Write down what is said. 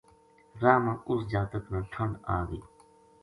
راہ ما اس جاتک نا ٹھنڈآگئی